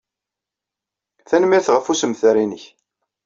Tanemmirt ɣef ussemter-nnek.